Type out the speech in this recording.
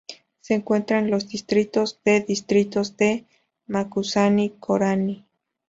Se encuentra en los distritos de distritos de Macusani-Corani.